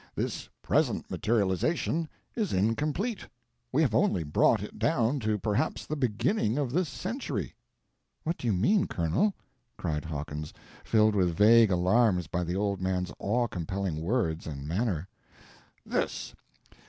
This present materialization is incomplete. We have only brought it down to perhaps the beginning of this century." "What do you mean, Colonel!" cried Hawkins, filled with vague alarms by the old man's awe compelling words and manner. "This.